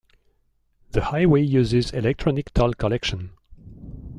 The highway uses electronic toll collection.